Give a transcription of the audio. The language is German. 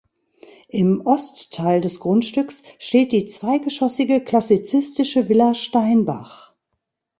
Im Ostteil des Grundstücks steht die zweigeschossige klassizistische Villa Steinbach.